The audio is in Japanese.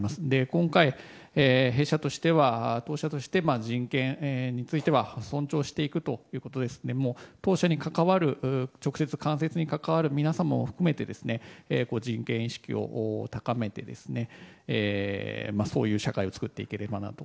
今回、弊社としては人権については尊重していくということですので当社に関わる直接間接に関わる皆さんも含めて人権意識を高めてそういう社会を作っていければなと。